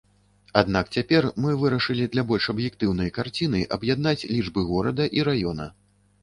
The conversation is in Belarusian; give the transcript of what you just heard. Аднак цяпер мы вырашылі для больш аб'ектыўнай карціны аб'яднаць лічбы горада і раёна.